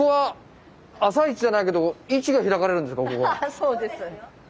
そうです。